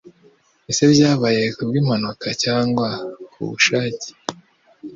Ese byabaye ku bw'impanuka cyangwa kubushake